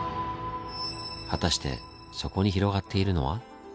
果たしてそこに広がっているのは。